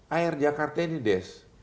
air jakarta ini des